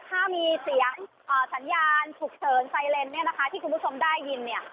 ถ้ามีเสียงสัญญาณฉุกเฉินไซเรนเนี่ยนะคะที่คุณผู้ชมได้ยินเนี่ย